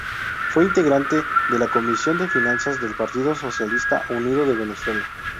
Fue integrante de la Comisión de Finanzas del Partido Socialista Unido de Venezuela.